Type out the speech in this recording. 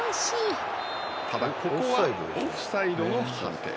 ただ、ここはオフサイドの判定。